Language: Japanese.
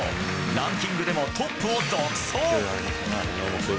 ランキングでもトップを独走。